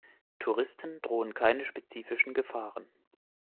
Touristen drohen keine spezifischen Gefahren.